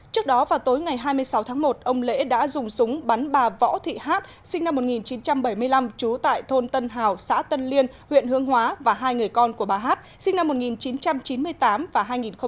trước đó vào tối ngày hai mươi sáu tháng một ông lễ đã dùng súng bắn bà võ thị hát sinh năm một nghìn chín trăm bảy mươi năm trú tại thôn tân hào xã tân liên huyện hương hóa và hai người con của bà hát sinh năm một nghìn chín trăm chín mươi tám và hai nghìn một mươi